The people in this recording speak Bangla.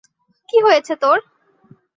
কি হয়েছে তোর?